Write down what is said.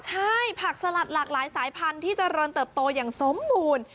ใช่ผักสลัดหลากหลายสายพันธุ์ที่เจริญเติบโตอย่างสมบูรณ์